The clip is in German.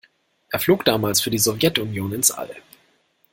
Er flog damals für die Sowjetunion ins All.